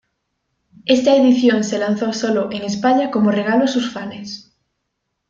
Esta edición se lanzó sólo en España como regalo a sus fanes.